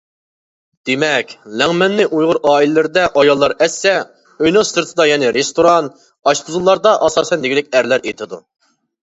دېمەك لەڭمەننى ئۇيغۇر ئائىلىلىرىدە ئاياللار ئەتسە، ئۆينىڭ سىرتىدا يەنى رېستوران، ئاشپۇزۇللاردا ئاساسەن دېگۈدەك ئەرلەر ئېتىدۇ.